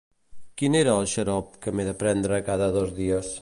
Quin era el xarop que m'he de prendre cada dos dies?